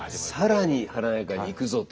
更に華やかに行くぞと。